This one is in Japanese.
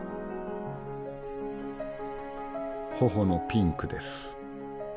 頬のピンクです。